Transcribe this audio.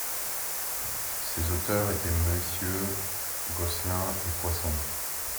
Ses auteurs étaient MMonsieur Gosselin et Poisson.